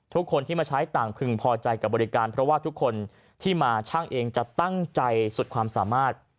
ทุกคนที่มาใช้ต่างพึงพอใจกับบริการเพราะว่าทุกคนที่มาช่างเองจะตั้งใจสุดความสามารถ